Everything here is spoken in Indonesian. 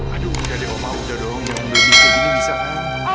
aduh udah deh oma udah dong